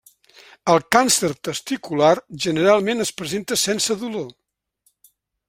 El càncer testicular generalment es presenta sense dolor.